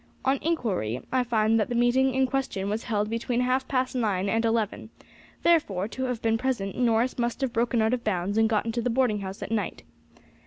On inquiry I find that the meeting in question was held between half past nine and eleven; therefore, to have been present, Norris must have broken out of bounds and got into the boarding house at night.